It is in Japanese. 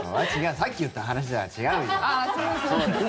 さっき言った話とは違うよ。